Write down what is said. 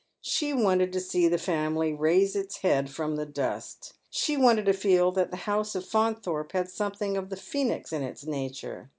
She wanted to see "the family raise its head froaa Y .^r;§ t)ead Men's i§hoeS. the dagt. She Wiinted to feel that the house of Fauntiiorpe h&A something of the phoenix in its nature.